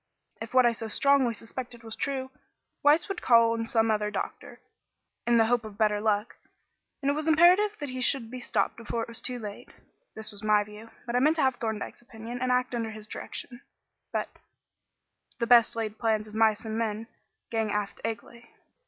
If what I so strongly suspected was true, Weiss would call in some other doctor, in the hope of better luck, and it was imperative that he should be stopped before it was too late. This was my view, but I meant to have Thorndyke's opinion, and act under his direction, but "The best laid plans of mice and men Gang aft agley."